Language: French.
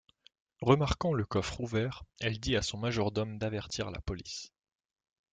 Remarquant le coffre ouvert, elle dit à son majordome d'avertir la police...